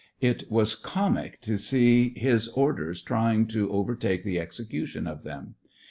It was comic to see his orders trying to over take the execution of them.